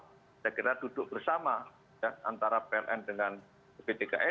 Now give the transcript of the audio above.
saya kira duduk bersama antara pln dengan pt ke